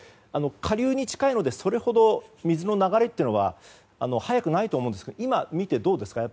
下流に近いのでそれほど水の流れというのは速くないと思いますが今見て、どうですか。